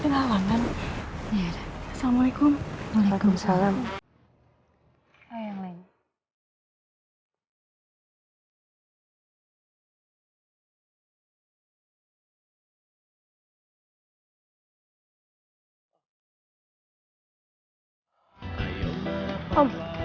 ini sakit periuk nih